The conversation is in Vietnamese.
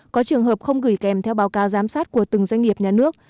có trường hợp không gửi kèm theo báo cáo giám sát của từng doanh nghiệp nhà nước